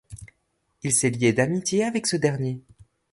Il s'est lié d'amitié avec ce dernier.